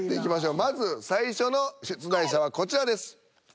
まず最初の出題者はこちらです。